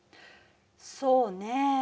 そうね。